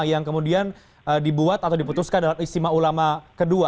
yang kemudian dibuat atau diputuskan dalam istimewa ulama kedua